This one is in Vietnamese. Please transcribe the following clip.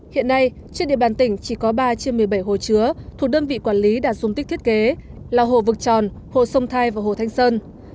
hiện nay trên địa bàn tỉnh chỉ có ba trên một mươi bảy hồ chứa thuộc đơn vị quản lý đạt dùng tích thiết kế là hồ vực tròn hồ sông thai và hồ thanh sơn